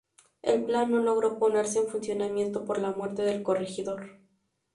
El plan no logró ponerse en funcionamiento por la muerte del corregidor.